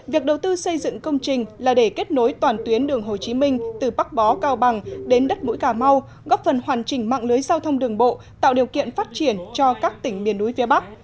việc đầu tư xây dựng công trình là để kết nối toàn tuyến đường hồ chí minh từ bắc bó cao bằng đến đất mũi cà mau góp phần hoàn chỉnh mạng lưới giao thông đường bộ tạo điều kiện phát triển cho các tỉnh miền núi phía bắc